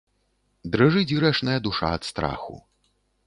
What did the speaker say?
Дрыжыць грэшная душа ад страху.